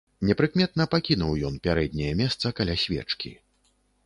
Непрыкметна пакінуў ён пярэдняе месца каля свечкі.